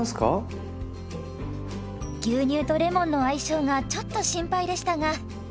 牛乳とレモンの相性がちょっと心配でしたが。